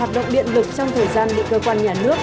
hoạt động điện lực trong thời gian bị cơ quan nhà nước